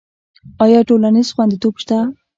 آیا ټولنیز خوندیتوب شته؟